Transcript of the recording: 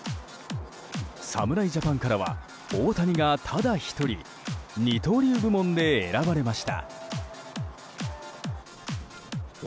侍ジャパンからは大谷がただ１人二刀流部門で選ばれました。